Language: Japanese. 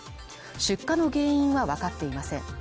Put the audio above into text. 出火の原因はわかっていません。